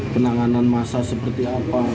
penanganan masa seperti apa